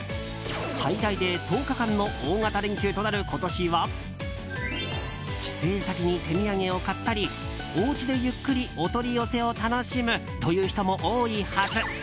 最大で１０日間の大型連休となる今年は帰省先にて土産を買ったりおうちで、ゆっくりお取り寄せを楽しむという人も多いはず。